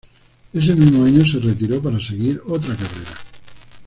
Ese mismo año se retiró para seguir otra carrera.